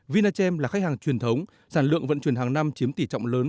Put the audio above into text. vinachem là khách hàng truyền thống sản lượng vận chuyển hàng năm chiếm tỷ trọng lớn